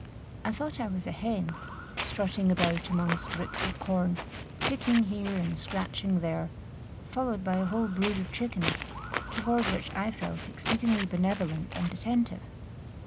I thought I was a hen, strutting about amongst ricks of corn, picking here and scratching there, followed by a whole brood of chickens, toward which I felt exceedingly benevolent and attentive.